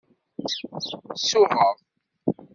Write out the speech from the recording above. Suɣeɣ.